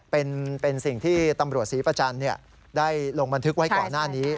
เป็นสิ่งที่ตำรวจภูทรภาค๗ได้ลงบันทึกไว้ก่อนหน้านี้